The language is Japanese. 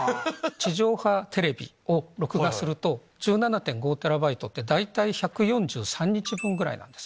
地上波テレビを録画すると１７．５テラバイトって大体１４３日分ぐらいなんです。